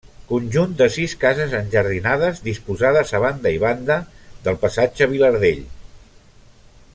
Conjunt de sis cases enjardinades, disposades a banda i banda del passatge Vilardell.